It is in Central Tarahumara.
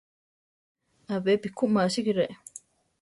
Abepi ku másikere.